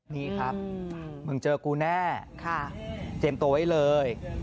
นี่ครับมึงเจอกูแน่เตรียมตัวไว้เลย